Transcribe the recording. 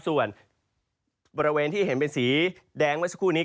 ส่วนบริเวณที่เห็นเป็นสีแดงเมื่อสักครู่นี้